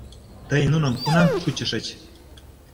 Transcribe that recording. — Тый нуным кунам кучышыч?